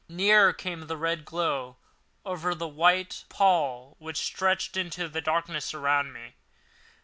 Nearer came the red glow, over the white pall which stretched into the darkness around me.